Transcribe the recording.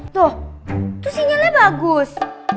tuh tuh sinyalnya bagus